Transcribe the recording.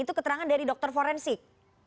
itu keterangan dari dokter forensik